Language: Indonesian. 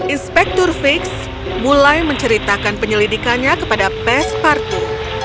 inspektur fik mulai menceritakan penyelidikannya kepada pes partu